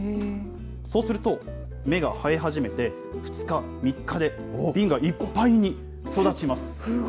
そうすると、芽が生え始めて、２日、３日で瓶がいっぱいに育ちます。